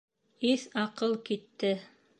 Иҫ-аҡыл китте!